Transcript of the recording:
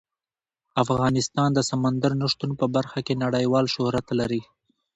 افغانستان د سمندر نه شتون په برخه کې نړیوال شهرت لري.